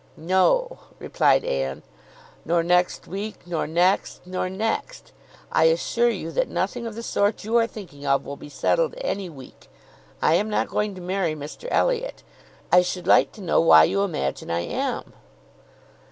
"No," replied Anne, "nor next week, nor next, nor next. I assure you that nothing of the sort you are thinking of will be settled any week. I am not going to marry Mr Elliot. I should like to know why you imagine I am?"